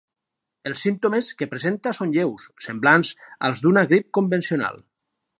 Els símptomes que presenta són lleus, semblants als d’una grip convencional.